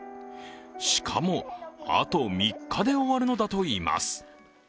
しかも、あと３日で終わるのだといいます。